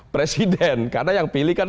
presiden karena yang pilih kan